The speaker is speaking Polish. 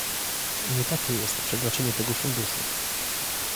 Nie takie jest przeznaczenie tego funduszu